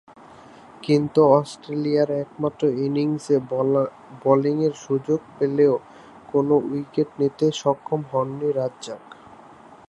কিন্তু অস্ট্রেলিয়ার একমাত্র ইনিংসে বোলিংয়ের সুযোগ পেলেও কোন উইকেট নিতে সক্ষম হননি রাজ্জাক।